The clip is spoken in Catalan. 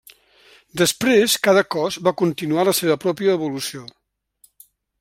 Després, cada cos va continuar la seva pròpia evolució.